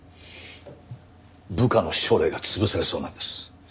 部下の将来が潰されそうなんです。